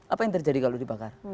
apa yang terjadi kalau dibakar